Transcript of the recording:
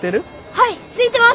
はいすいてます！